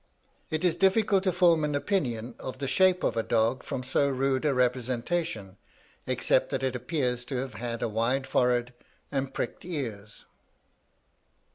It is difficult to form an opinion of the shape of a dog from so rude a representation, except that it appears to have had a wide forehead and pricked ears.